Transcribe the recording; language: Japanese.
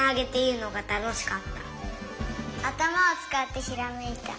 あたまをつかってひらめいた。